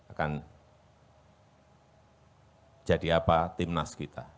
akan jadi apa timnas kita